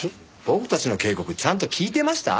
僕たちの警告ちゃんと聞いてました？